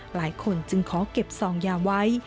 หลายคนจึงขอเก็บซองยาไว้